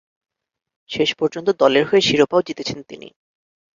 শেষ পর্যন্ত দলের হয়ে শিরোপাও জিতেছেন তিনি।